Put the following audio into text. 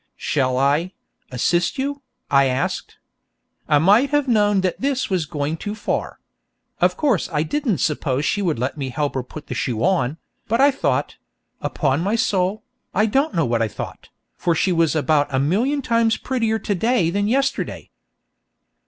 'Shall I assist you?' I asked. I might have known that this was going too far. Of course I didn't suppose she would let me help her put the shoe on, but I thought upon my soul, I don't know what I thought, for she was about a million times prettier to day than yesterday.